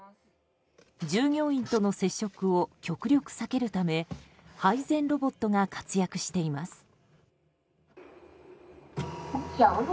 従業員との接触を極力避けるため配膳ロボットが活躍しています。